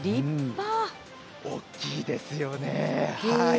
大きいですよね。